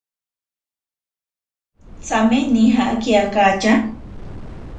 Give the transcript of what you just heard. Tsame nijaki akatya.